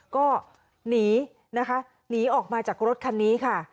ก็หนีออกมาจากรถคันนี้